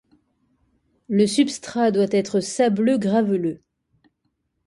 Le substrat doit être sableux-graveleux.